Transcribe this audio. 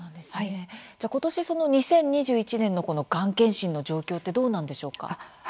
ことし２０２１年のがん検診の状況ってどうなんでしょうか。